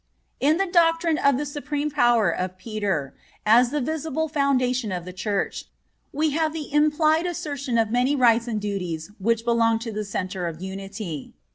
In the doctrine of the supreme power of Peter, as the visible foundation of the Church, we have the implied assertion of many rights and duties which belong to the centre of unity.